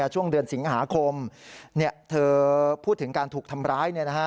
ช่วงเดือนสิงหาคมเธอพูดถึงการถูกทำร้าย